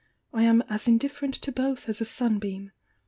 I am as indifferent to both as a sunbeam!